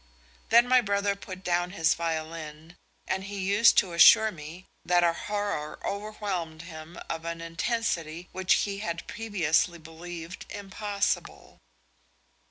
Then my brother put down his violin, and he used to assure me that a horror overwhelmed him of an intensity which he had previously believed impossible.